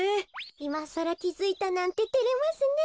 いまさらきづいたなんててれますね。